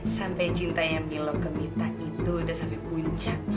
sampai cintanya milo ke mita itu udah sampai puncak